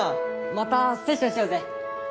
またセッションしようぜ！